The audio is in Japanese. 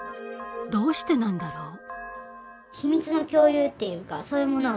どうしてなんだろう？